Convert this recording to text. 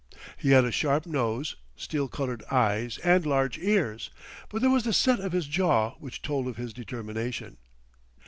He had a sharp nose, steel coloured eyes and large ears; but there was the set of his jaw which told of determination.